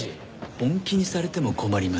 本気にされても困ります。